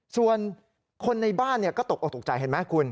ส่วนคนในบ้านเนี่ยก็ตกออกตกใจเห็นมั้ยคุณ